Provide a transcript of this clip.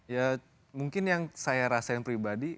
ya mungkin yang saya rasain pribadi